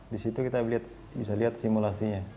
di situ kita bisa lihat simulasinya